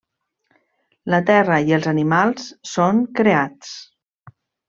La Terra i els animals són creats.